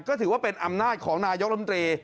ก็ถือว่าเป็นอำนาจของนายกรรมตรี